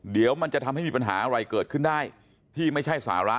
เดี๋ยวมันจะทำให้มีปัญหาอะไรเกิดขึ้นได้ที่ไม่ใช่สาระ